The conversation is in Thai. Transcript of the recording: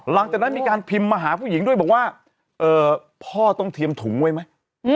หลังจากนั้นมีการพิมพ์มาหาผู้หญิงด้วยบอกว่าพ่อต้องเทียมถุงไว้ไหม